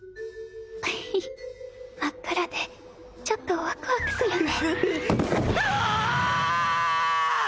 ヘヘッ真っ暗でちょっとワクワクするねうわああ！